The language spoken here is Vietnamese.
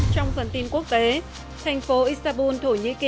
trong phần tin quốc tế thành phố istanbul thổ nhĩ kỳ